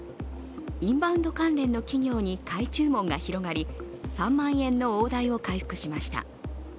インバウンド関連の企業に買い注文が広がり、３万円の大台を回復しました。